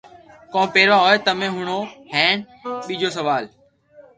ڪون پيروا ھوئي تمي ھڻَو ھين ٻآجو سوال